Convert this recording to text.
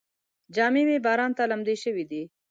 جامې مې باران ته لمدې شوې دي.